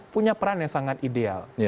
punya peran yang sangat ideal